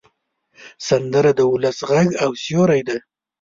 سندره د ولس غږ او سیوری ده